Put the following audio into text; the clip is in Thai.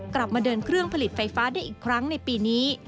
กลับมาเดินเครื่องผลิตไฟฟ้าได้อีกครั้งในปีนี้